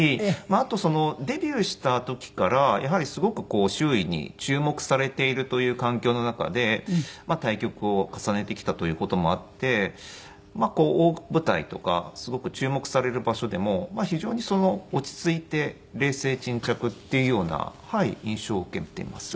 あとデビューした時からやはりすごくこう周囲に注目されているという環境の中で対局を重ねてきたという事もあって大舞台とかすごく注目される場所でも非常に落ち着いて冷静沈着っていうような印象を受けています。